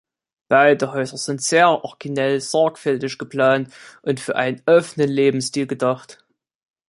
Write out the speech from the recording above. Beide Häuser sind sehr originell, sorgfältig geplant und für einen offenen Lebensstil gedacht.